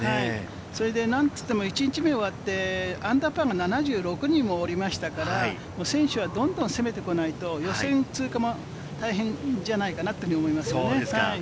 何といっても、１日目を終わって、アンダーパーが７６人もおりましたから、選手はどんどん攻めてこないと予選通過も大変じゃないかなって思いますね。